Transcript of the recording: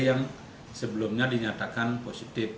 yang sebelumnya dinyatakan positif